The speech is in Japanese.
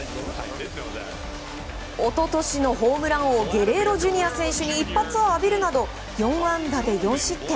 一昨年のホームラン王ゲレーロＪｒ．選手に一発を浴びるなど４安打で４失点。